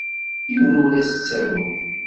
Yiwen ur as-ttaruɣ.